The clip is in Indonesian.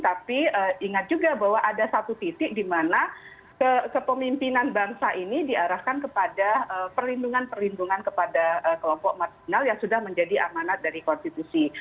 tapi ingat juga bahwa ada satu titik di mana kepemimpinan bangsa ini diarahkan kepada perlindungan perlindungan kepada kelompok marginal yang sudah menjadi amanat dari konstitusi